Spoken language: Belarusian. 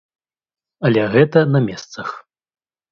Але гэта на месцах.